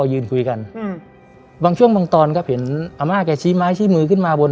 ยืนคุยกันอืมบางช่วงบางตอนครับเห็นอาม่าแกชี้ไม้ชี้มือขึ้นมาบน